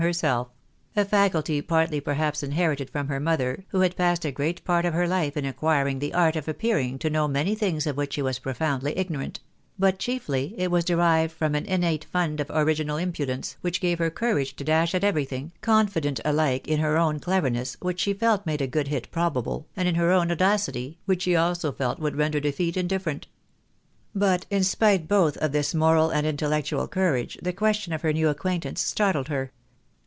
herself ; a faculty partly perhaps inherited from her mother, who iad passed great part of her life in acquiring the art of appearing )o know many things of which she was profoundly ignorant ; but jhiefly it was derived from an innate fund of original impudence, ■which gave her courage to dash at everything, confident alike in her own cleverness, which she felt made a good hit probable, and in her own audacity, which she also felt would render defeat indif ferent. But in spite both of this moral and intellectual courage, the question of her new acquaintance startled her.